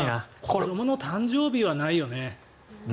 子どもの誕生日はないよね。